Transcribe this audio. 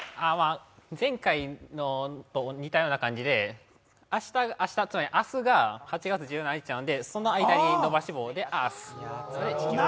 前回と似たような感じで明日が８月１７日なので、その間に伸ばし棒でアース、つまり地球。